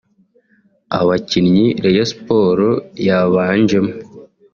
Abakinnyi Rayon Sports yabanjemo